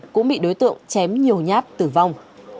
cũng bị đối tượng chém nhiều nháp tử vong